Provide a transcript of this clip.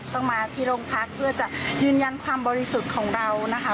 ต้องมาที่โรงพักเพื่อจะยืนยันความบริสุทธิ์ของเรานะคะ